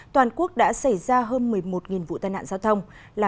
toàn quốc đã xảy ra hơn một mươi một vụ tai nạn giao thông